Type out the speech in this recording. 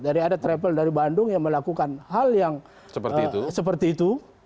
dari ada travel dari bandung yang melakukan hal yang seperti itu